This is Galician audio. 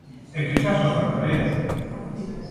¡É que xa só faltaría!